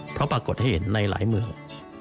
เพราะปรากฏให้เห็นในหลายเมือง